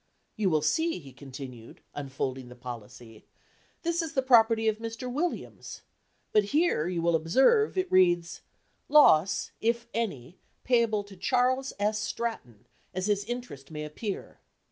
You will see," he continued, unfolding the policy, "this is the property of Mr. Williams, but here, you will observe, it reads 'loss, if any, payable to Charles S. Stratton, as his interest may appear.